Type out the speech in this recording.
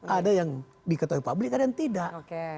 ada yang diketahui publik ada yang tidak